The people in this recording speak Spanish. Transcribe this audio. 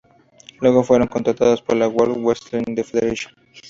Luego fueron contratados por la World Wrestling Federation.